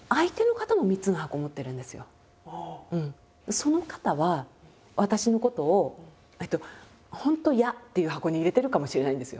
その方は私のことを「本当嫌」っていう箱に入れてるかもしれないんですよ。